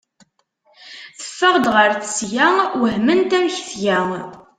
Teffeɣ-d ɣer tesga, wehment amek tga.